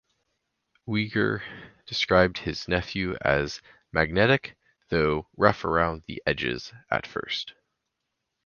Uygur described his nephew as "magnetic" though "rough around the edges" at first.